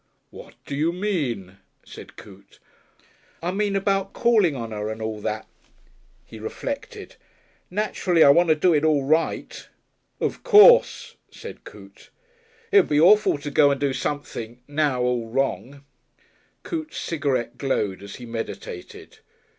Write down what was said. "What do you mean?" said Coote. "I mean about calling on 'er and all that." He reflected. "Naturally, I want to do it all right." "Of course," said Coote. "It would be awful to go and do something now all wrong." Coote's cigarette glowed as he meditated.